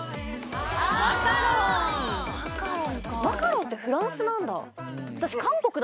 マカロンってフランスなんだ。